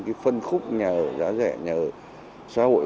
cái phân khúc nhà ở giá rẻ nhà ở xã hội